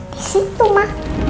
di situ ma